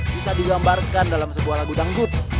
bisa digambarkan dalam sebuah lagu dangdut